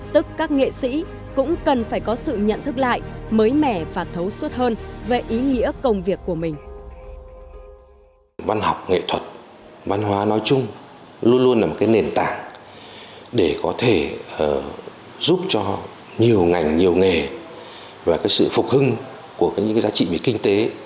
tức các nghệ sĩ cũng cần phải có sự nhận thức lại mới mẻ và thấu suốt hơn về ý nghĩa công việc của mình